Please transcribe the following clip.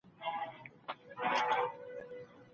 موسیقي د ارواپوهنې له نظره ګټوره ده.